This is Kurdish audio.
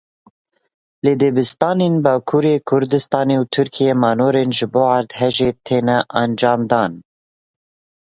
Li dibistanên Bakurê Kurdistanê û Tirkiyeyê manorên ji bo erdhejê têne encamdan.